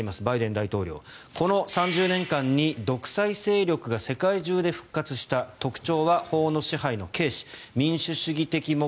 バイデン大統領、この３０年間に独裁勢力が世界中で復活した特徴は法の支配の軽視民主主義的